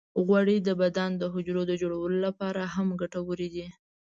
غوړې د بدن د حجرو د جوړولو لپاره هم ګټورې دي.